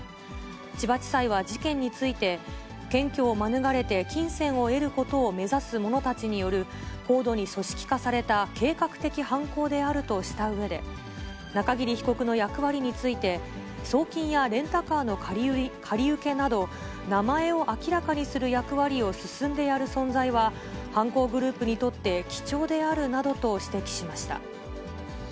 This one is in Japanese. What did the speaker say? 千葉地裁は事件について、検挙を免れて金銭を得ることを目指す者たちによる、高度に組織化された計画的犯行であるとしたうえで、中桐被告の役割について、送金やレンタカーの借り受けなど、名前を明らかにする役割を、進んでやる存在は、犯行グループにとって貴重であるなどと指摘しました。